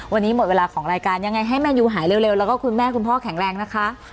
วันนี้หมดเวลาของรายการยังไงให้แมนยูหายเร็วแล้วก็คุณแม่คุณพ่อแข็งแรงนะคะ